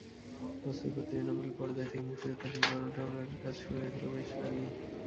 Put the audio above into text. বস্তুত তৃণমূল পর্যায় থেকে মুক্তিযুদ্ধের বিবরণ সংগ্রহের কাজের শুরু হয়েছিল বেশ আগে।